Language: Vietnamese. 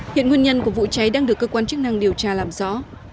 hiện nguyên nhân của vụ cháy đang được cơ quan chức năng điều tra làm rõ